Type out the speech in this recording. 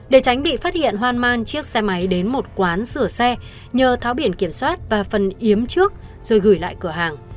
để tránh bị phát hiện hoan man chiếc xe máy đến một quán sửa xe nhờ tháo biển kiểm soát và phần yếm trước rồi gửi lại cửa hàng